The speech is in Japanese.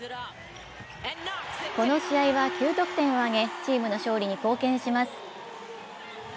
この試合は９得点を挙げ、チームの勝利に貢献します。